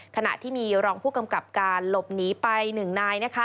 ขณะที่มีรองผู้กำกับการหลบหนีไป๑นาย